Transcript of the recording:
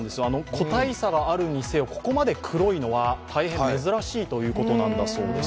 個体差があるにせよ、ここまで黒いのは大変珍しいということなんだそうです。